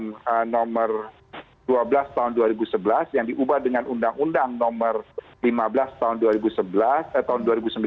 yang diubah dengan undang undang nomor dua belas tahun dua ribu sebelas yang diubah dengan undang undang nomor lima belas tahun dua ribu sembilan belas